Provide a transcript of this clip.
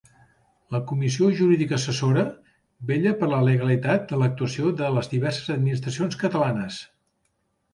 La Comissió Jurídica Assessora vetlla per la legalitat de l'actuació de les diverses administracions catalanes.